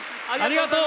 ありがとう！